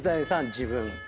自分。